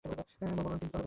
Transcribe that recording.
মূল ভবনটি তিন তলা বিশিষ্ট।